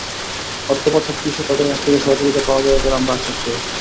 অর্থপাচার বিষয়ে তাদের কাছ থেকে সহযোগিতা পাওয়া যাবে বলে আমরা আশ্বাস পেয়েছি।